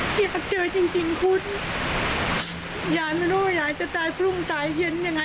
คิดว่าเจอจริงคุณจะตายพรุ่งตายเย็น